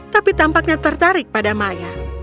tapi tampaknya tertarik pada maya